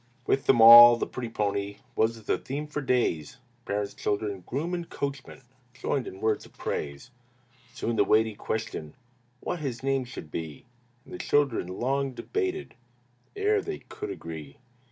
With them all, the pretty pony Was the theme for days; Parents, children, groom, and coachman Joined in words of praise. Soon arose the weighty question What his name should be, And the children long debated Ere they could agree.